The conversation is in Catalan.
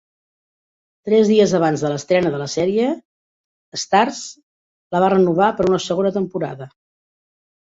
Tres dies abans de l'estrena de la sèrie, Starz la va renovar per una segona temporada.